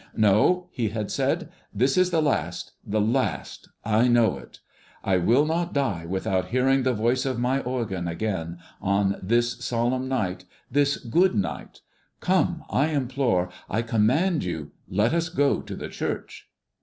"No," he had said; "this is the last the last I know it. I will not die without hearing the voice of my organ again, on this solemn night, this good night. Come, I implore, I command you, let us go to the church!"